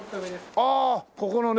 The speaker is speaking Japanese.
ああここのね。